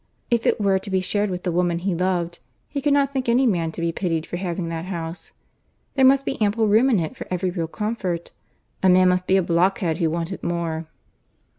If it were to be shared with the woman he loved, he could not think any man to be pitied for having that house. There must be ample room in it for every real comfort. The man must be a blockhead who wanted more.